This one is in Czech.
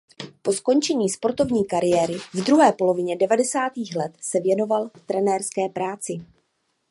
Po skončení sportovní kariéry v druhé polovině devadesátých let se věnoval trenérské práci.